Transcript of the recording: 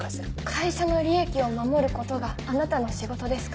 会社の利益を守ることがあなたの仕事ですか？